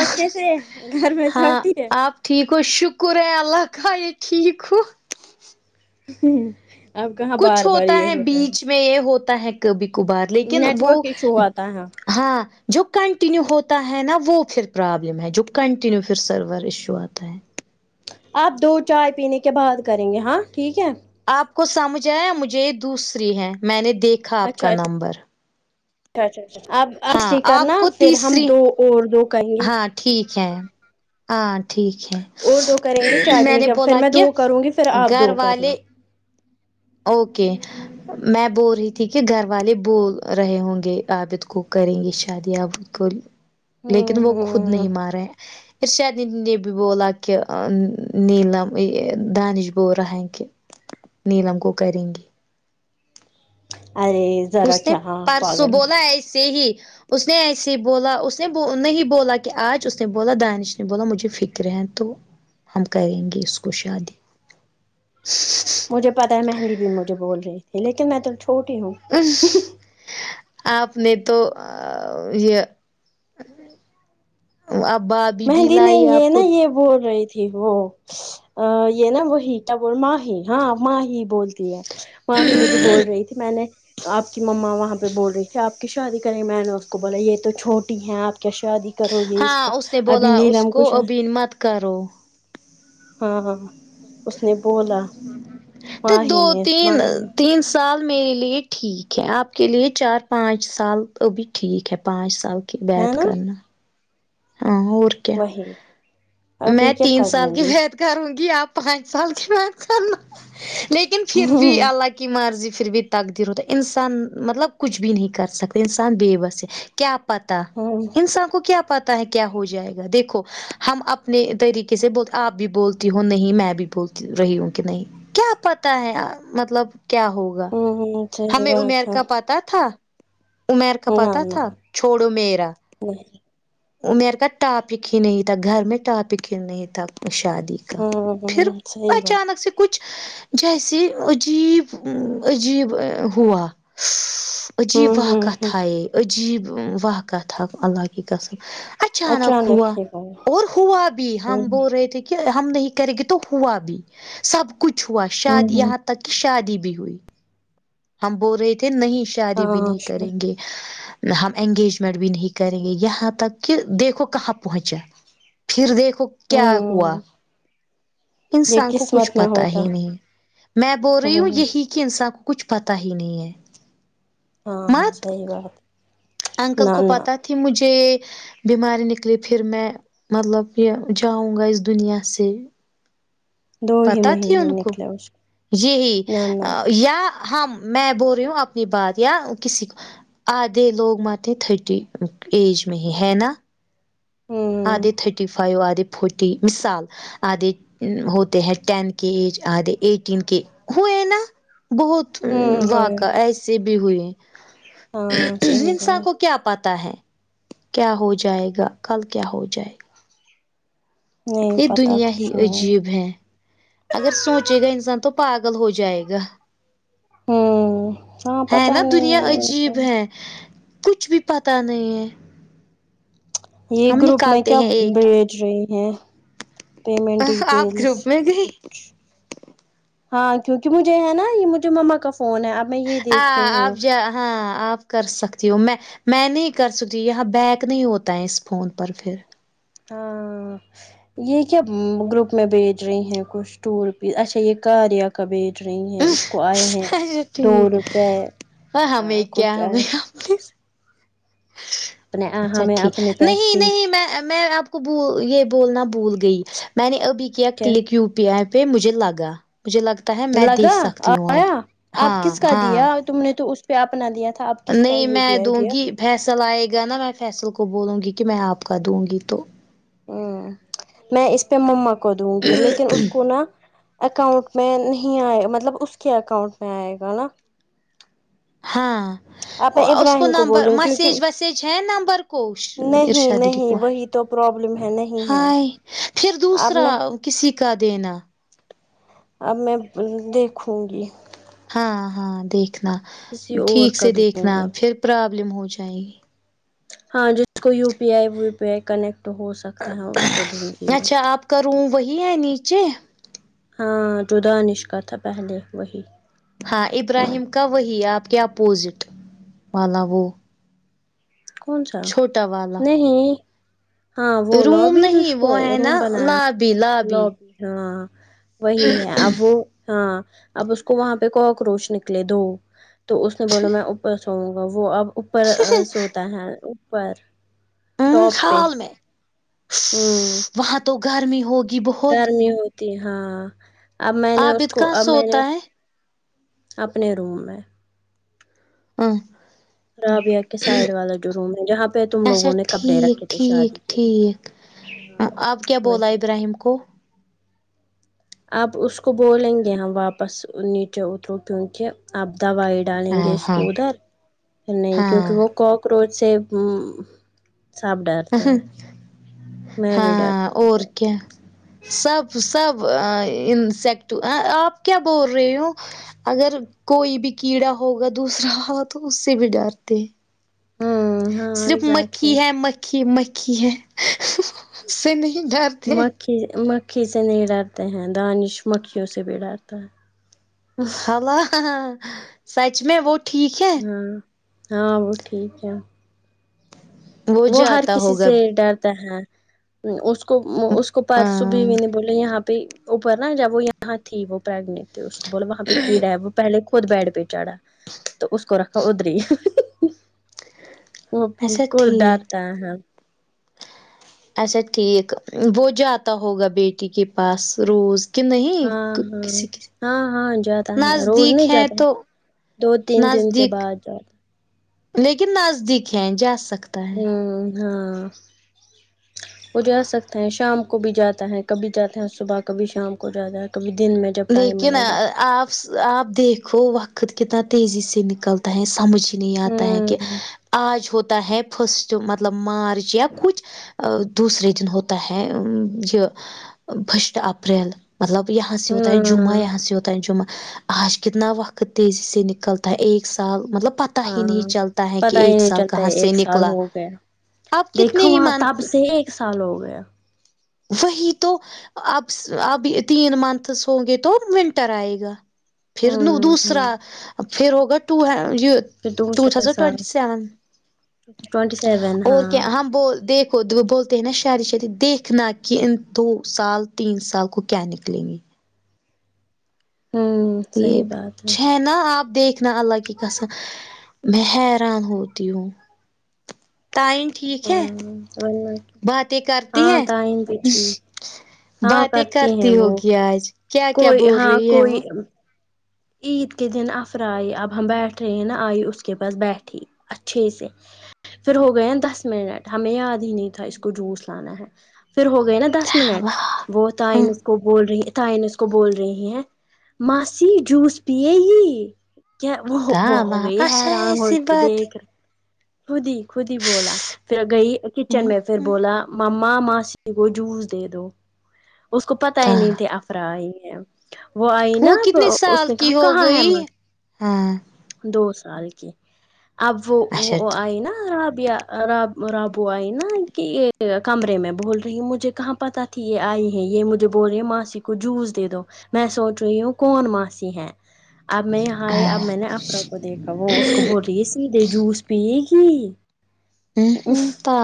اچھے سے گھر میں سب ہاں ٹھیک ہے آپ ٹھیک ہو شکر ہے اللہ کااہ ٹھیک ہو ہ ہ اب کہاں کچھ بار بار ہوتا یہ ہے ہو جائے بیچ میں یہ ہوتا ہے کبھی کبھار لیکن نیٹ وہ ورک ایشو آتا ہے ہاں جو کنٹینیو ہوتا ہے نا وہ پھر پرابلم ہے جو کنٹینیو پھر سرور ایشو آتا ہے آپ دو چائے پینے کے بعد کریں گے ہاں ٹھیک ہے آپ کو سمجھ آ مجھے یہ دوسری ہے میں نے دیکھا آپ کا نمبر اچھ اچا اچا اب اب ہاں آپ یکرنا کو پھر ہم تیسری دو اور دو کریں گے ہاں ٹھیک ہے ہاں ٹھیک اور دو کریں گے چائے میں پینے نے کے پھر بولا میں کہ دو کروں گی پھر آپ گھر دو کرنا والے اوکے میں بول رہی تھی کہ گھر والے بول رہے ہوں گے عابد کو کریں گے شادی آب کو لیکن ہوں وہ خود ہوں نہیں مار رہے ارشادیدی نے یہ بھی بولا کہ نیلم دانش ب رہا ہ کہ نیلم کو کریں گی ارے ذرا اس نے کیا ہاں پرسوں پاگل بولا ایسے ہی اس نے ایسے ہی بولا اس نے نہیں بولا کہ آج اس نے بولا دانش نے بولا مجھے فکر رہ تو ہم کریں گے اس کو شادی مجھے پتا ہے مہندی بھی مجھے بول رہی تھی لیکن میں تو چھوٹی ہوں اش ہ ہ آپ نے تو یہ آپ بعد بھی مہندی لائی نہیں یہ نا یہ بول رہی تھی وہ ا یہ نا وہی کیا ب ماہی ہاں ماہی بولتی ہے ماہی مجھے بول رہی تھی میں نے آپ کی مما وہاں پہ بول رہی تھی آپ کی شادی کریںے میں نے اس کو بولا یہ تو چھوٹی ہیں آپ کیا شادی کرو گے اس کو ابھی نیلم کو ش ہمت کرو ہاں ہاں اس نے بولا تو ماہی دو نے تین ماہی نے تین سال میرے لیے ٹھیک ہے آپ کے لیے چار پانچ سال ابھی ٹھیک ہے پانچ سال کہ ہے بیت نا کرنا ہاں اور کیا وہی میں ابھی کیا تین سال کروں کی گی ود کروں گی آپ پانچ سال کی بیت کرنا لیکن پھر بھی ہوں اللہ کی مرضی پھر بھی تقدیر ہوتا ہے انسان مطلب کچھ بھی نہیں کر سکتا انسان بے بس ہے کیا پتا ہوں انسان کو کیا پتا ہے کیا ہو جائے گا دیکھو ہم اپنے طریقے سے بول آپ بھی بولتی ہو نہیں میں بھی بول رہی ہوں کہ نہیں کیا پتا ہے مطلب کیا ہوگا ہوں صحیح ہمیں عمیر بات ہے کا پتا تھا عمیر کا نہ پتا نہ تھا چھوڑو میرا نہیں عمیر کا ٹاپک ہی نہیں تھا گھر میں ٹاپک ہی نہیں تھا شادی ہوں پھر ہوں صحیح بات اچانک سے کچھ جیسے عجیب عجیب ہوا عجیب ہوں ہوں وقات ہوں تھا یہ عجیب وقات تھا اللہ کے قسم اچانک ہوا ہی ہو اور ہوا بھی ہم ہوں بول رہے تھے کہ ہم نہیں کریں گے تو ہوا بھی سب کچھ ہوا شاید ہوں یہاں تک تک کی شادی بھی ہوئی ہم بول رہے تھے نہیں شادی بھی ہاں نہیں کریں شاید گے ہم انگیجمنٹ بھی نہیں کریں گے یہاں تک کہ دیکھو کہاں پہنچا پھر دیکھو کیا ہوں ہوا یہ انسان کو کچھ قسمت میں پتا ہوتا ہی نہیں میں بول رہی ہوں یہی کہ انسان کو کچھ پتا ہی نہیں ہے ہاں ہاں مت صحیح بات ہے انکل کو پتہ تھی مجھے بیماری نکلے پھر میں مطلب یہ جاؤں گا اس دنیا سے دو ہی مہینے میں نکلے اس کے جیہی یا ہم میں بول رہی ہوں اپنی بات یا کسی آدھے لوگ مت تھٹی ایج میں ہی ہے نا ہوں آدھے تھھیٹی فائیو آدھے فورٹی مثال آدھے ہوتے ہیں ٹین کے ایج آدھے ایٹین کے ہوئے نا بہت ہوں ہاں واقع ایسے بھی ہوئے ہاں صحیح انسان کو بات کیا پتا ہے کیا ہو جائے گا کل تو کیا ہو جائے نہیں یہ پتا دنیا ہی کچھ نہیں عجیب ہے اگر سوچے گا انسان تو پاگل ہو جائے گا ہوں ہاں ہے پتا نا دنیا عجیب نہیں ہے کچھ بھی پتا نہیں ہے یہ ہم گروپ میں نکالتے کیا ہیں ایک بھیج رہے ہیں پیمنٹ آپ ڈیٹیلس گروپ میں گئی ہاں کیونکہ مجھے ہے نا یہ مجھے مما کا فون ہے آپ آ آپ ج ہاں آپ کر سکتی ہو میں میں نہیں کر سکتی یہاں بیک نہیں ہوتا ہے اس فون پر پھر ہاں یہ کیا گروپ میں بھیج رہی ہیں کچھ ٹوروپیز اچھا یہ کار یا کا بھیج رہی ہیں اس کو آئے ہیں اچھا دو ٹھیک روپئے ہمیں کیا کچھ آئے ہمیں ہیں اپنے سے۔ اپنے اچھا ہمیں ٹھیک اپنے نہیں پیسے نہیں میں میں اب کو بول یہ بولنا بھول گئی میں نے ابھی کیا کلک یو پی آئی پہ مجھے لگا مجھے لگتا ہے میں دیکھ لگا سکتی ہوں اب آیا ہاں آپ کس کا ہاں دیا تم نے تو اس پہ اپنا دیا تھا اب نہیں میں دوں گی فیصل آئے گا نا میں فیصل کو بولوں گی کہ میں آپ کا دوں گی تو ہوں میں اس پہ مما کو دوں گی لیکن اس کو نا اکاؤنٹ میں نہیں آئے مطلب اس کے اکاؤنٹ میں آئے گا نا ہاں آپ میں اس کو ابراہیم نمبر بولوں مسیج کیونکہ ویسیج ہے نمبر کچھ نہیں ارشاد دیدی کو نہیں ہے وہی تو پرابلم ہے نہیں ہے ہائے پھر اب دوسرا میں کسی کا دینا اب میں دیکھوں گی ہاں ہاں دیکھنا کسی اور ٹھیک کا سے دوں دیکھنا گی پھر پرابلم ہو جائے گی ہاں جس کو یو پی آئی وو پی آئی کنیکٹ ہو سکتا ہے اس کو دونگی میں کروں وہی ہے نیچے ہاں جو دانش کا تھا پہلے وہی ہاں ابراہیم کا وہی آپ کے اپوزٹ والا وہ کون سا چھوٹا والا نہیں ہاں وہ روم لوبی جس نہیں کو وہ ہے روم نا بنایا لابی لابی لوبی ہاں وہی ہے اب وہ ہاں اب اس کو وہاں پہ کوکروچ نکلے دو تو اس نے بولا میں اوپر تو وہ اب اوپر سوتا ہے اوپر اممم ٹاپ پہ حال میں ہوں اسسس وہاں تو گرمی ہوگی بہت گرمی ہوتی ہاں اب میں نے اس عابد کو کہاں اب میں نے سوتا ہے اپنے روم میں اح رابیا کے سائڈ والا جو روم ہے جہاں پہ تم اچھا لوگوں نے کپڑے رکھے تھے شادی کے لیے آپ کیا بولا ابراہیم کو اب اس کو بولیں گے ہم واپس نیچے اترو کیونکہ اب دوائی ڈالیں گے ہاں اس ہاں کو ادھر نہیں کیونکہ ہاں وہ کوکروچ سے ہوں سب ڈر ہاں ڈرتی ہوں اور کیا سب سب انسیکٹ آپ کیا بول رئی ہو اگر کوئی بھی کیڑا ہوگا دوسرا تو اس سے بھی ڈرتے ہیں ہوں ہاں صرف ایگزیکٹلی مکھی ہے مکھی مکھی ہے اس سے نہیں ڈرتے مکھی یہ مکھی سے نہیں ڈرتے ہیں دانش مکھیوں سے بھی ڈرتا ہے ہلا ہاں ہاں سچ میں وت ہاں ہاں وہ ٹھیک ہے وہ ہر جاتا کسی ہوگا سے ڈرتا ہے اس اس کو پرسوں بھی ہاں میں نے بولا یہاں پہ اوپر نہ جب وہ یہاں تھی وہ پرگنانٹ تو اس کو بولا وہاں پہ کیڑا ہے وہ پہلے خود بیڈ پہ چڑھا تو اس کو رکھا ادری وہ اچھا کیسکو ڈر ٹھیک تا ہے اچھا ٹھیک وہ جو آتا ہوگا بیٹی کے پاس روز کہ نہیں ہاں کسی کی ہاں ہاں جاتا ہے روز نہیں نزدیک ہیں جاتا تو دو تین دن کے نزدیک بعد جاے لیکن نزدیک ہیں جا سکت ھممم ہاں وہ جا سکتے ہیں شام کو بھی جاتا ہے کبھی جاتے ہیں صبح کبھی شام کو جاتا ہے کبھی دن میں جب ٹائم لیکن ملے گا آپ آپ دیکھو وقت کتنا تیزی سے نکلتا ہے سمجھ نہیں آتا ہے کہ ہوں آج ہوتا ہے فرسٹ مطلب مارچ یا کچھ دوسرے دن ہوتا ہے یہ فرسٹ اپریل مطلب یہاں سے تاۓ جمعہ ہاں یہاں سے یوتا ہے جمعہ آج کتنا وقت تیزی سے نکلتا ہے ایک سال مطلب پت ہاں پتا ہی نہیں چلتا سے ایک سال نکلا ہو گیا آپ کتنے دیکھو ہی وہاں مان تب سے ایک سال ہو گیا وہی تو اب اب تین منتھس ہوں گے تو ونٹر آئے گا پھر ہوں ہ دوسرا پھر ہوگا یہ پھر ٹو دوسرا تھازن سال ٹونیٹی سیون ٹوینٹی سیون اور ہاں کیا ہم بول دیکھ خود وہ بولتے ہیں نا شادی شادی دیکھنا کہ ان دو سال تین سال کو کیا نکلیں گے ہوں یہ صحیح بات چھ ہے نا آپ دیکھنا الگ قسم میں حیران ہوتی ہوں تعین ٹھیک ہے ہوں ورنہ کیا۔ باتیں کرتی ہاں ہیں ٹائم بھی ٹھیک ہاں باتیں ہیں کرتی وہ ہوگی آج کیا کیا کوئی بول ہاں رہی ہے وہ کوئی عید کے دن افرا آئے اب ہم بیٹھ رہے ہیں نا آئی اس کے پاس بیٹھی اچھے سے پھر ہو گئے نا دس منٹ ہمیں یاد ہی نہیں تھا اس کو جوس لانا ہے پھر ہو گئے نا دس منٹ اللہ وہ ہاں تائینس کو بول رہی تائینس کو بول رہی ہیں ماسی جوس پیے ہی کیا وہ وہ ہو تھاما گئی اچھا حیران ہو ایسی ایک بات دیکھ خود ہی خود ہی بولا پھر گئی کچن میں پھر بولا مما ماسی کو جوس دے دو اس کو پتا ہی تھا نہیں تھے افرا ائی ہیں وہ آئی نا اب کتنے اس سال نے کہا کی ہو کہاں ہے گئی ہاں دو سال کی اب وہ اچھا وہ آئی نا ربیعہ راب رابو آئی نا کہ یہ کمرے میں بول رہی ہوں مجھے کہاں پتا ٹھیک ہے آئی ہے یہ مجھے بول رہے ہیں ماسی کو جوس دے دو میں سوچ رہی ہوں کون ماسی ہیں اب میں یہاں آئے اب میں نے افرا کو دیکھا وہ اس کو بول رہی ہے سیدھے جوس پیئے گی تا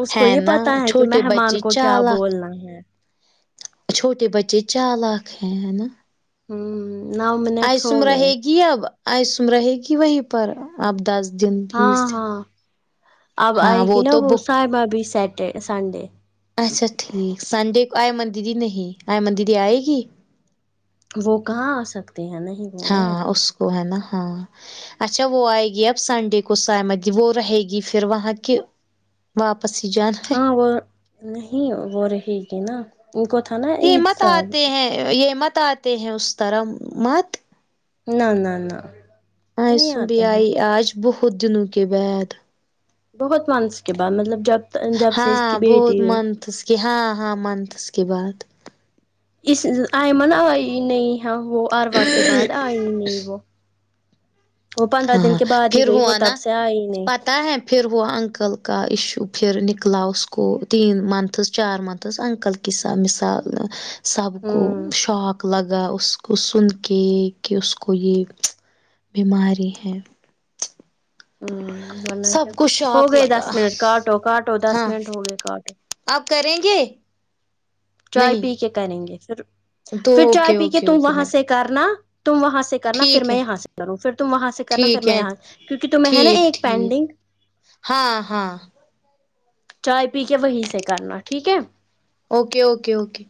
اس کو ہے یہ نا پتا ہے کہ چھوٹے مہمان بچے کو کیا چالاک بولنا ہے چھوٹے بچے چالاک ہے ہے نا ہوں آئسم رہے گی اب آئیسم رہے گی وہیں پر اب دس دن ہاں بیس دن ہاں اب ہاں آئے گی نا تو وہ سائبا بھی سیٹر سنڈے اچھا ٹھیک سنڈے کو آئی ائمن دیدی نہیں آئمن دیدی آئے گی وہ کہاں آ سکتے ہیں نہیں وہ نہیں ہاں آئے گی اس کو ہے نا ہاں اچھا وہ آئے گی اب سنڈے کو سمایہ وہ رہے گی پھر وہاں کے واپس ہی جانا ہاں وہ نہیں وہ رہے گی نا ان کو تھا نا یہ عید مت سال آتے یہ مت آتے ہیں اس طرح مت نہ نہ نہ نہیں آئسم بھی آتے ہیں آئی آج بہت دنوں کے بعد بہت مانس کے بعد مطلب جب جب سے اس کی بیٹی ہوئی کہ ہاں ہاں منتھس کے بعد اس آئمن آئی نہیں ہے وہ اروا کے بعد آئی نہیں وہ وہ پندرہ دن ہاں کے بعد ہی پھر گئی وہ ہوا تب نا سے آئی نہیں پتہ ہے پھر وہ انکل کا ایشو پھر نکلا اس کو تین منتھز چار منتھز انکل کس مثال سب کو ہوں شوق لگا اس اس کو سن کے کہ اس کو یہ بیماری ہے ہ ورنہ کیا سب کو ہو شوق گئے دس لگا منٹ کاٹو کاٹو دس ہاں منٹ ہو گئے کاٹو آپ کریں گے چائے پی کے نہیں کریں گے پھر تو پھر چائے اوکے پی کے اوکے تم اوکے وہاں میم سے کرنا تم وہاں سے کرنا پھر ٹھیک میں ہے یہاں سے کروں پھر تم وہاں سے کرنا پھر ٹھیک میں ہے یہاں کیونکہ تمہیں نا ٹھیک ایک ٹھیک پینڈنگ ہاں ہاں چائے پی کے وہیں سے کرنا ٹھیک ہے اوکے اوکے اوکے